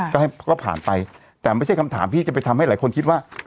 ก็ให้ก็ผ่านไปแต่ไม่ใช่คำถามที่จะไปทำให้หลายคนคิดว่า